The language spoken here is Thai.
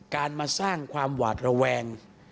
การมาสร้างความหวาดระแวง